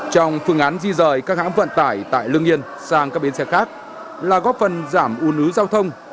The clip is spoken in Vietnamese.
trong phương án di rời các hãm vận tải tại lương yên sang các bến xe khác là góp phần giảm ủn ứ giao thông